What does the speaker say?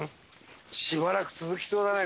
しばらく続きそうだね